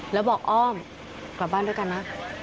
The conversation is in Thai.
แล้วบอกอ้อมกลับบ้านด้วยกันนะ